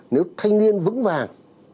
nếu thanh niên vững vàng